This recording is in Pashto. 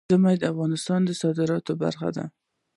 ژمی د افغانستان د صادراتو برخه ده.